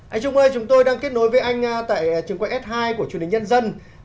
hãy chung ơi chúng tôi đang kết nối với anh tại trường quay s hai của truyền hình nhân dân